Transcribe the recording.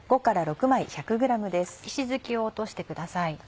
石づきを落としてください。